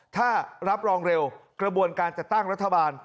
ถ้ารับรองเร็วกระบวนการจัดตั้งรัฐบาล